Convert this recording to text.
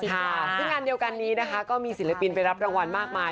ซึ่งงานเดียวกันนี้นะคะก็มีศิลปินไปรับรางวัลมากมาย